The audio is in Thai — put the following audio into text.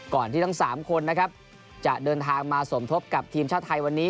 ที่ทั้ง๓คนนะครับจะเดินทางมาสมทบกับทีมชาติไทยวันนี้